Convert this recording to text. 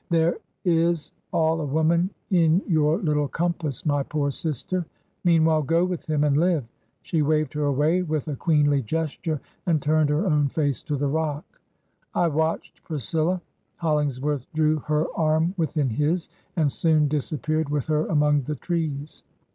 'There is all a woman in your httle compass, my poor sister. Meanwhile, go with him, and live !' She waved her away, with a queenly gesture, and turned her own face to the rock. I watched Priscilla. ... Hol lingsworth drew her arm within his, and soon disap peared with her among the trees.